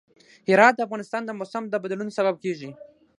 هرات د افغانستان د موسم د بدلون سبب کېږي.